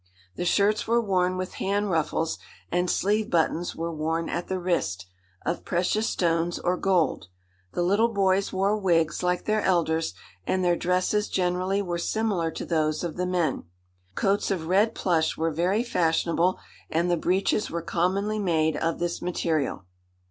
The shirts were worn with hand ruffles, and sleeve buttons were worn at the wrist, of precious stones, or gold. The little boys wore wigs, like their elders, and their dresses generally were similar to those of the men. Coats of red plush were very fashionable, and the breeches were commonly made of this material."